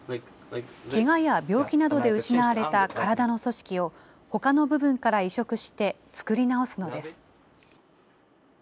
けがや病気などで失われた体の組織をほかの部分から移植して作り直すのです。